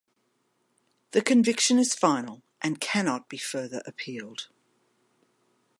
The conviction is final and cannot be further appealed.